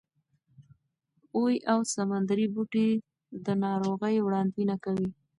اوې او سمندري بوټي د ناروغۍ وړاندوینه کوي.